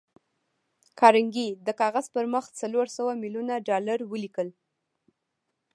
کارنګي د کاغذ پر مخ څلور سوه ميليونه ډالر ولیکل